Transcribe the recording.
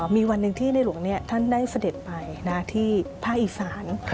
มีวันหนึ่งที่ในหลวงท่านได้เสด็จไปที่ภาคอีสาน